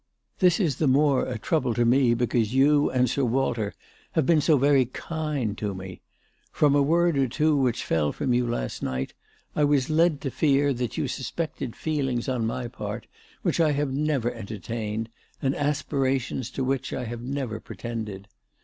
This is the more a trouble to me because you and Sir Walter have been so very kind to me. From a word or two which fell from you last night I was led to fear that you sus pected feelings on my part which I have never enter tained, and aspirations to which I have never pretended.